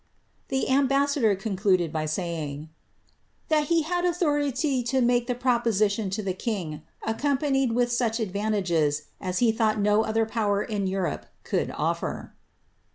The ambu sador concluded by saying, ^ that he had authority to make the propo sition to the king, accompanied with such advantages as he thoi^ht no other power in Europe could ofler."